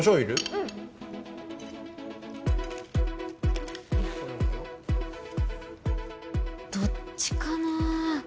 うん。どっちかな？